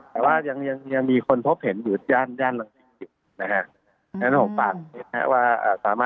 แต่ว่ายังมีคนพบเห็นอยู่ย่านรัง๔๐นะฮะ